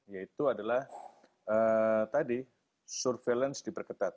yaitu adalah tadi surveillance diperketat